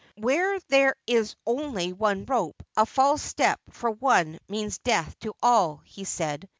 " Where there is only one rope, a false step for one means death to all," he said.